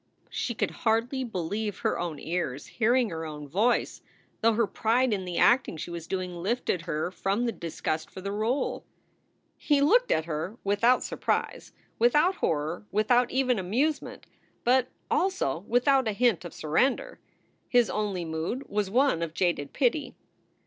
She could hardly believe her own ears hearing her own voice, though her pride in the acting she was doing lifted her from the disgust for the role. He looked at her without surprise, without horror, without even amusement, but also without a hint of surrender. His only mood was one of jaded pity.